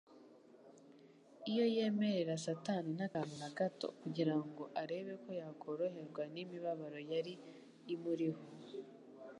iyo yemerera Satani n'akantu na gato kugira ngo arebe ko yakoroherwa n'imibabaro yari imuriho;